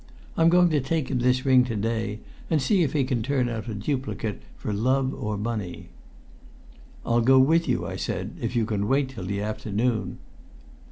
I'm going to take him this ring to day and see if he can turn out a duplicate for love or money." "I'll go with you," I said, "if you can wait till the afternoon."